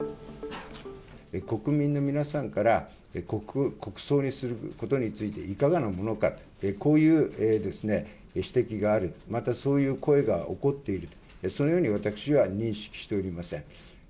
国民の皆さんから国葬にすることについていかがなものか、こういう指摘がある、またそういう声が起こっている、そのように私は認識しておりません。